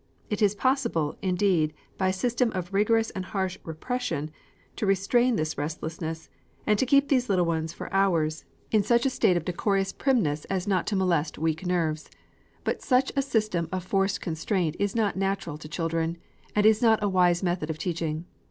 It is possible, indeed, by a system of rigorous and harsh repression, to restrain this restlessness, and to keep these little ones for hours in such a state of decorous primness as not to molest weak nerves. But such a system of forced constraint is not natural to children, and is not a wise method of teaching.